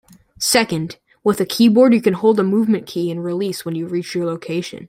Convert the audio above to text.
Second, with a keyboard you can hold a movement key and release when you reach your location.